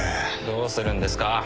どうするんですか？